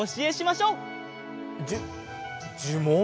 じゅじゅもん？